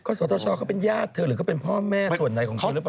สตชเขาเป็นญาติเธอหรือเขาเป็นพ่อแม่ส่วนไหนของเธอหรือเปล่า